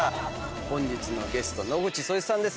本日のゲスト野口聡一さんです。